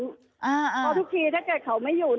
เพราะทุกทีถ้าเกิดเขาไม่อยู่